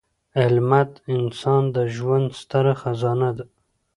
علمد انسان د ژوند ستره خزانه ده.